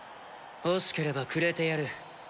ほしければくれてやる。